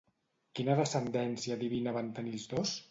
Quina descendència divina van tenir els dos?